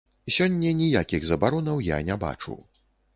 Сёння ніякіх забаронаў я не бачу.